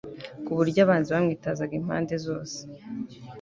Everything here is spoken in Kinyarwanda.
ku buryo abanzi bamwitazaga mu mpande zose